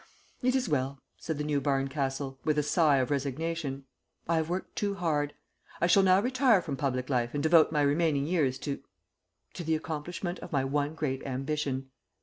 "It is well," said the new Barncastle, with a sigh of resignation. "I have worked too hard. I shall now retire from public life and devote my remaining years to to the accomplishment of my one great ambition."